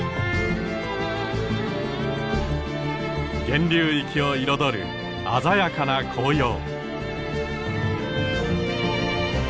源流域を彩る鮮やかな紅葉。